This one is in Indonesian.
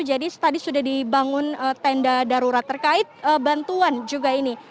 jadi tadi sudah dibangun tenda darurat terkait bantuan juga ini